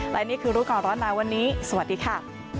และนี่คือรู้ก่อนร้อนหนาวันนี้สวัสดีค่ะ